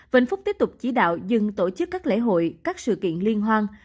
vĩnh phúc tiếp tục chỉ đạo dừng tổ chức các lễ hội các sự kiện liên hoan